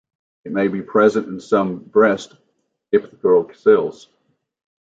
It may be present in some breast epithelial cells.